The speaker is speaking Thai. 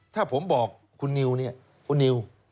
ถ้าผมบอกคุณนิวเนี่ยคุณนิว